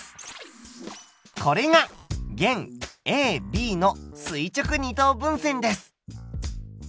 これが弦ＡＢの垂直二等分線です。